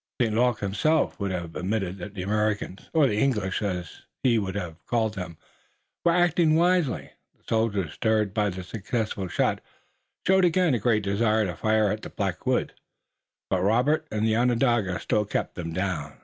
St. Luc himself would have admitted that the Americans, or the English, as he would have called them, were acting wisely. The soldiers, stirred by the successful shot, showed again a great desire to fire at the black woods, but Robert and the Onondaga still kept them down.